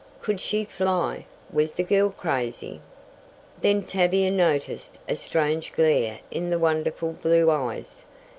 Could she fly? Was the girl crazy? Then Tavia noticed a strange glare in the wonderful blue eyes.